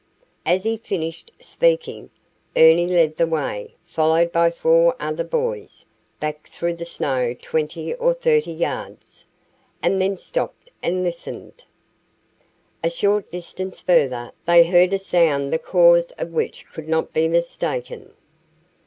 As he finished speaking, Ernie led the way, followed by four other boys, back through the snow twenty or thirty yards, and then stopped and listened. A short distance further, they heard a sound the cause of which could not be mistaken.